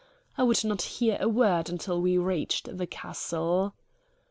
I would not hear a word until we reached the castle.